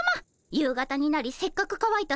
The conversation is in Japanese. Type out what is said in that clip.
夕方になりせっかくかわいた